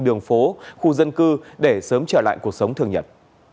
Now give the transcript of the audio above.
đường phố khu dân cư để sớm trở lại cuộc sống thường nhật